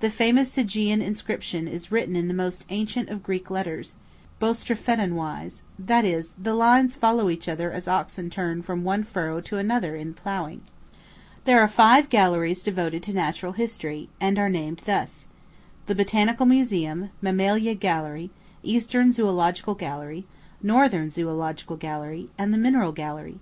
The famous Sigean inscription is written in the most ancient of Greek letters, boustrophedon wise; that is, the lines follow each other as oxen turn from one furrow to another in ploughing. There are five galleries devoted to natural history, and are named thus: the Botanical Museum, Mammalia Gallery, Eastern Zoölogical Gallery, Northern Zoölogical Gallery, and the Mineral Gallery.